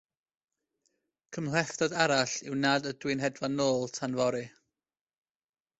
Cymhlethdod arall yw nad ydw i'n hedfan nôl tan fory.